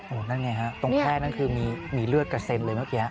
นั่นไงฮะตรงแค่นั้นคือมีเลือดกระเซ็นเลยเมื่อกี้